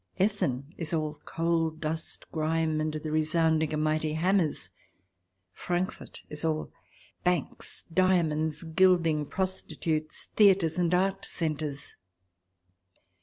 Essen is all coal dust, grime, and the resounding of mighty hammers ; Frankfurt is all banks, diamonds, gilding, prostitutes, theatres, art centres.